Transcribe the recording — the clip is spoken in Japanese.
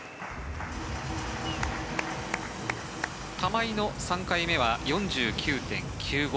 玉井の３回目は４９．９５。